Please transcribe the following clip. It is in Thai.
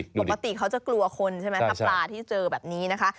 ปกติเขาจะกลัวคนใช่ไหมถ้าปลาที่เจอแบบนี้นะคะ